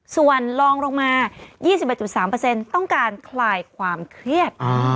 ส่วนลองลงมา๒๑๓ต้องการคลายความเครียด